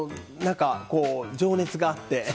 情熱があって。